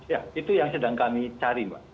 ya itu yang sedang kami cari mbak